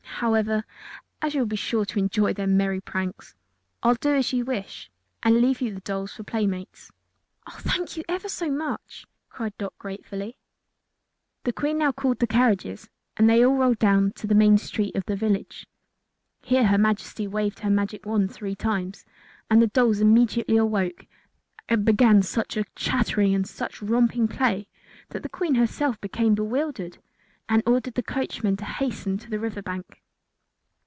However, as you will be sure to enjoy their merry pranks, I'll do as you wish, and leave you the dolls for playmates." "Oh, thank you ever so much!" cried Dot, gratefully. The Queen now called the carriages and they all rolled down to the main street of the village. Here her Majesty waved the magic wand three times, and the dolls immediately awoke and began such a chattering and such romping play that the Queen herself became bewildered and ordered the coachman to hasten to the river bank.